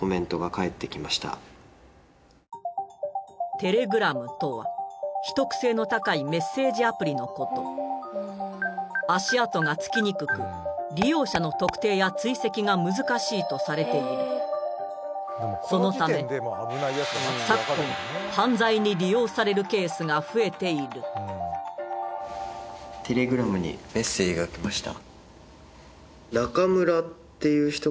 テレグラムとは秘匿性の高いメッセージアプリのこと足跡がつきにくく利用者の特定や追跡が難しいとされているそのため昨今犯罪に利用されるケースが増えているテレグラムにメッセージが来ました